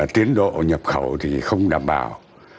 tiến độ nhập khẩu thì không đảm bảo